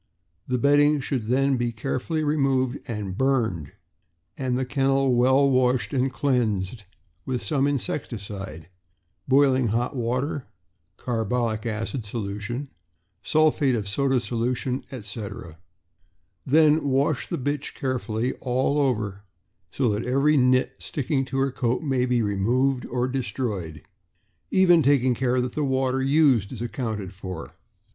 The bedding should then be carefully removed and burned, and the kennel well washed and cleansed with some insecticide — boiling hot water, carbolic acid solution, sulphate of soda solution, etc. Then wash the bitch carefully all over, so that every "nit" sticking to her coat may be removed or destroyed; even taking care that the water used is accounted for.